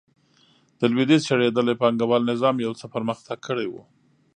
د لوېدیځ شړېدلي پانګوال نظام یو څه پرمختګ کړی و.